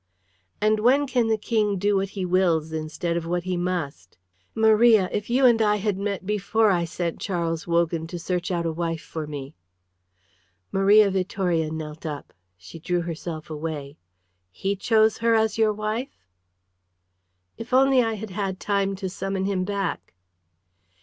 "And when can the King do what he wills instead of what he must? Maria, if you and I had met before I sent Charles Wogan to search out a wife for me " Maria Vittoria knelt up. She drew herself away. "He chose her as your wife?" "If only I had had time to summon him back!"